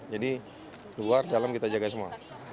jadi luar dalam kita jaga semua